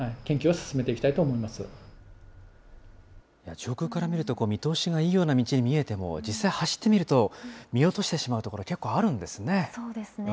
上空から見ると、見通しがいいような道に見えても、実際、走ってみると見落としてしまうところ、そうですね。